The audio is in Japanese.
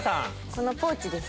このポーチです。